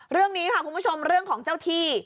เรื่องนี้ค่ะคุณผู้ชมเรื่องของเจ้าที่